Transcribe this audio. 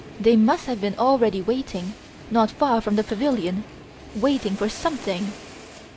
They must have been already waiting, not far from the pavilion, waiting for something!